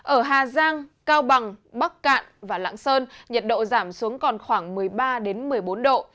ở hà giang cao bằng bắc cạn và lãng sơn nhiệt độ giảm xuống còn khoảng một mươi ba một mươi bốn độ